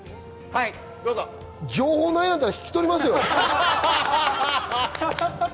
情報ないんだったら引き取りますよ。